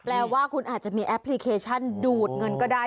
แปลว่าคุณอาจจะมีแอปพลิเคชันดูดเงินก็ได้